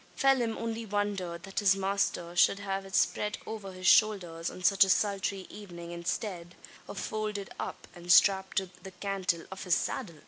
Phelim only wondered, that his master should have it spread over his shoulders on such a sultry evening instead of folded up, and strapped to the cantle of his saddle!